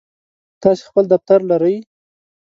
تاسی خپل دفتر لرئ؟